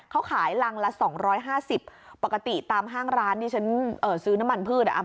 เขาขายรังละ๒๕๐ปกติตามห้างร้านที่ฉันซื้อน้ำมันพืช